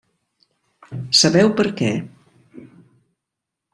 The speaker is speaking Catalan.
Sabeu per què?